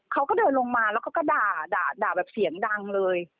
เขาก็เดินลงมาแล้วก็ด่าด่าแบบเสียงดังเลย